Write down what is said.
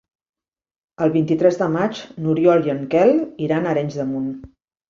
El vint-i-tres de maig n'Oriol i en Quel iran a Arenys de Munt.